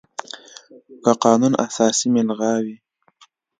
که قانون اساسي ملغا وي،